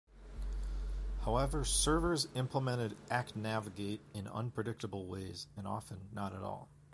However, servers implemented accNavigate in unpredictable ways and often not at all.